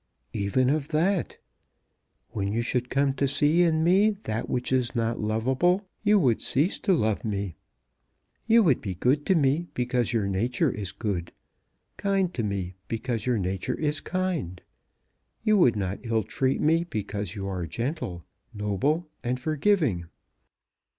"Even of that. When you should come to see in me that which is not lovable you would cease to love me. You would be good to me because your nature is good; kind to me because your nature is kind. You would not ill treat me because you are gentle, noble, and forgiving.